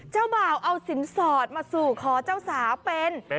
เจ้าบ่าวเอาสินสอดมาสู่ขอเจ้าสาวเป็น